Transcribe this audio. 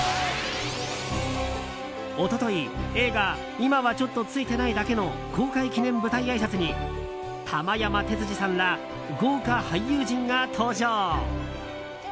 一昨日、映画「今はちょっと、ついてないだけ」の公開記念舞台あいさつに玉山鉄二さんら豪華俳優陣が登場。